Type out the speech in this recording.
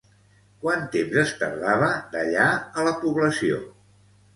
Quant temps es tardava d'allà a la població?